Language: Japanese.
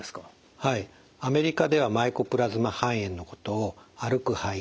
はいアメリカではマイコプラズマ肺炎のことを歩く肺炎